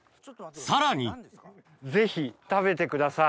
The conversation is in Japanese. さらにぜひ食べてください。